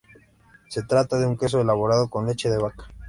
Se trata de un queso elaborado con leche de vaca.